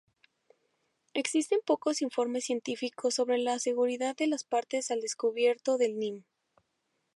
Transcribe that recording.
Existen pocos informes científicos sobre la seguridad de las partes al descubierto del nim.